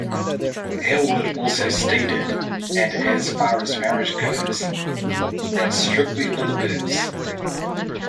Hailwood also stated And as far as marriage goes-that's strictly for the birds!